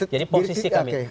jadi posisi kami